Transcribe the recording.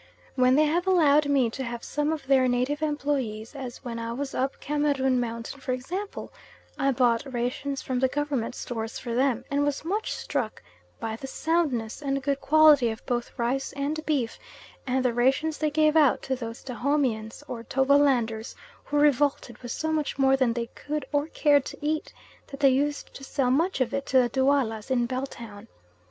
When they have allowed me to have some of their native employes, as when I was up Cameroon Mountain, for example, I bought rations from the Government stores for them, and was much struck by the soundness and good quality of both rice and beef, and the rations they gave out to those Dahomeyans or Togolanders who revolted was so much more than they could, or cared to eat, that they used to sell much of it to the Duallas in Bell Town.